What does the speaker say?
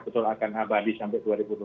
betul akan abadi sampai dua ribu dua puluh